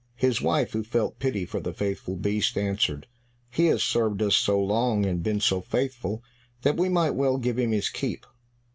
His wife, who felt pity for the faithful beast, answered, "He has served us so long, and been so faithful, that we might well give him his keep."